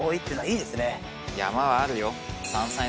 山はあるよ。